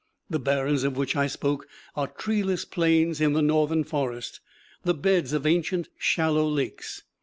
The barrens of which I spoke are treeless plains in the northern forest, the beds of ancient shallow lakes.